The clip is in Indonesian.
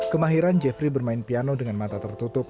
kemahiran jeffrey bermain piano dengan mata tertutup